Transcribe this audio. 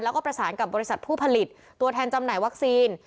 แล้วก็ประสานกับบริษัทผู้ผลิตตัวแทนจำหน่ายวัคซีน